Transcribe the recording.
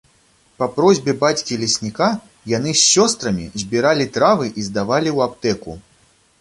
Па просьбе бацькі-лесніка яны з сёстрамі збіралі травы і здавалі ў аптэку.